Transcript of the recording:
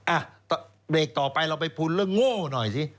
อ่ะเบรกต่อไปเราไปพุนเรื่องโง่หน่อยสิ